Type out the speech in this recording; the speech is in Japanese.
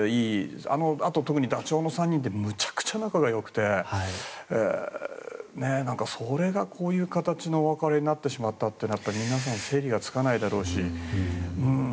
あと、特にダチョウ倶楽部の３人ってむちゃくちゃ仲良くてそれが、こういう形のお別れになってしまったのは皆さん整理がつかないだろうし。